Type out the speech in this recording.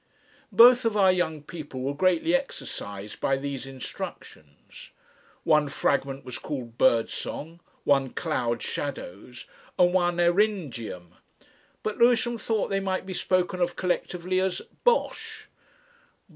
Both of our young people were greatly exercised by these instructions. One fragment was called "Bird Song," one "Cloud Shadows," and one "Eryngium," but Lewisham thought they might be spoken of collectively as Bosh.